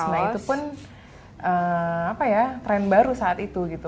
nah itu pun tren baru saat itu